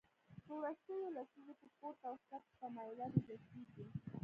په وروستیو لسیزو کې پورته او کښته تمایلات لیدل کېږي